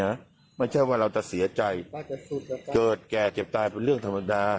ไม่ใช่ว่าเราจะเสียใจเกิดแก่เจ็บตายเป็นเรื่องธรรมดา